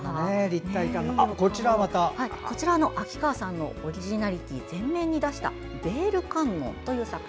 こちらは秋川さんのオリジナリティーを前面に出した「ヴェール観音」。